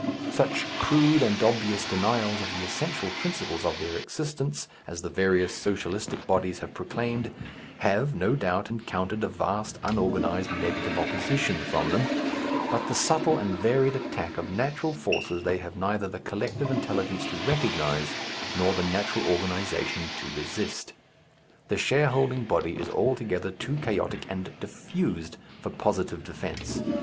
Such crude and obvious denials of the essential principles of their existence as the various Socialistic bodies have proclaimed have, no doubt, encountered a vast, unorganized, negative opposition from them, but the subtle and varied attack of natural forces they have neither the collective intelligence to recognize, nor the natural organization to resist. The shareholding body is altogether too chaotic and diffused for positive defence.